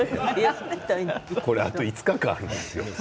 これあと５日間あるんですよ。